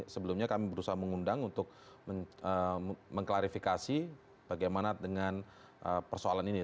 sebelumnya kami berusaha mengundang untuk mengklarifikasi bagaimana dengan persoalan ini